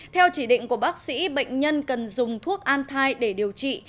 theo chỉ định của bác sĩ bệnh nhân cần dùng thuốc an thai để điều trị